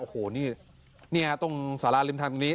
โอ้โหนี่ตรงสาราริมทางตรงนี้